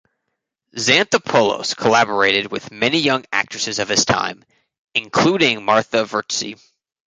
Xanthopoulos collaborated with many young actresses of his time, including Martha Vourtsi.